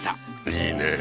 いいねえ。